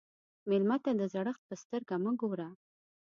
مېلمه ته د زړښت په سترګه مه ګوره.